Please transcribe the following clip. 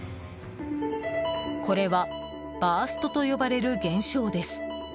これはバーストと呼ばれる現象です。